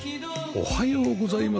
おはようございます。